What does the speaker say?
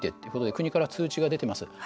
国から通知が出ています。